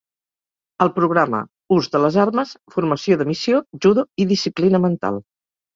Al programa: ús de les armes, formació de missió, judo i disciplina mental.